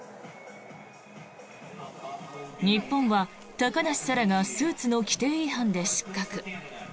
日本は高梨沙羅がスーツの規定違反で失格。